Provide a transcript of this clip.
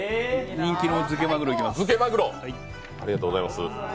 人気の漬けマグロをいきます。